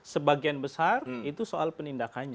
sebagian besar itu soal penindakannya